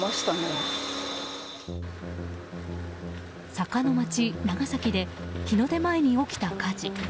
坂の街・長崎で日の出前に起きた火事。